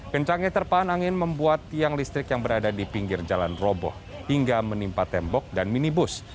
kencangnya terpahan angin membuat tiang listrik yang berada di pinggir jalan roboh hingga menimpa tembok dan minibus